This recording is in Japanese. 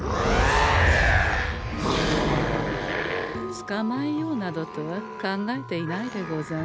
つかまえようなどとは考えていないでござんす。